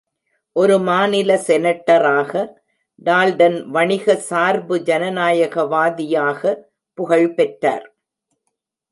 ஒரு மாநில செனட்டராக, டால்டன் வணிக சார்பு ஜனநாயகவாதியாக புகழ் பெற்றார்.